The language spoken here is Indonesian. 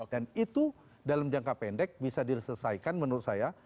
dan itu dalam jangka pendek bisa diselesaikan menurut saya